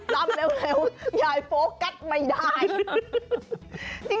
ำเร็วยายโฟกัสไม่ได้